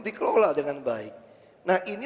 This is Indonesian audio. dikelola dengan baik nah ini